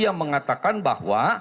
yang mengatakan bahwa